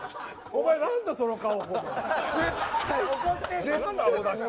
お前、なんだその顔！